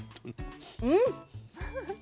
うん！